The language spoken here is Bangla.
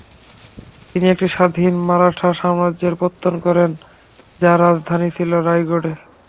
তিনি একটি স্বাধীন মারাঠা সাম্রাজ্যের পত্তন করেন, যার রাজধানী ছিল রায়গড়ে।